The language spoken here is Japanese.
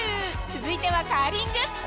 続いてはカーリング。